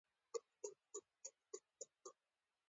ژمی د افغانستان د دوامداره پرمختګ لپاره اړین دي.